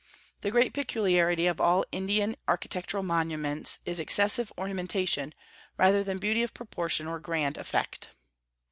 The great peculiarity of all Indian architectural monuments is excessive ornamentation rather than beauty of proportion or grand effect.